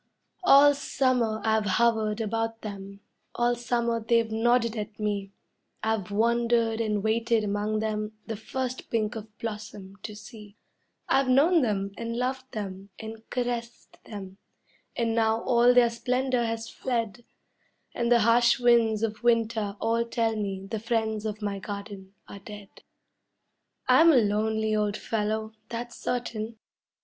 All summer I've hovered about them, all summer they've nodded at me; I've wandered and waited among them the first pink of blossom to see; I've known them and loved and caressed them, and now all their splendor has fled, And the harsh winds of winter all tell me the friends of my garden are dead. I'm a lonely old fellow, that's certain.